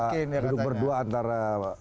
duduk berdua antara